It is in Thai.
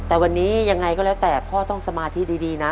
แต่วันนี้ยังไงก็แล้วแต่พ่อต้องสมาธิดีนะ